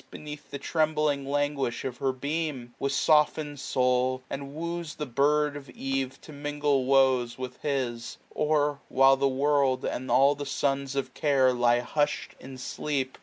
Beneath the trembling languish of her beam, 1035 With soften'd soul, and wooes the bird of eve To mingle woes with his : or, while the world And all the sons of Care lie hush*d in sleep.